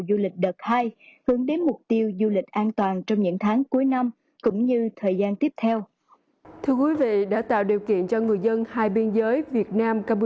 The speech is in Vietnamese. du lịch đợt hai hướng đến mục tiêu du lịch an toàn trong những tháng cuối năm cũng như thời gian tiếp